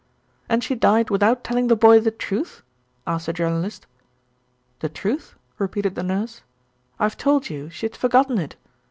"And she died without telling the boy the truth?" asked the Journalist. "The truth?" repeated the Nurse. "I've told you that she had forgotten it.